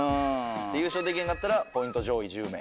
優勝できへんかったらポイント上位１０名。